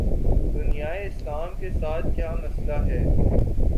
دنیائے اسلام کے ساتھ کیا مسئلہ ہے؟